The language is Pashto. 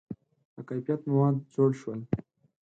• د کیفیت مواد جوړ شول.